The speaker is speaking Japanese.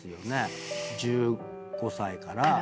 １５歳から。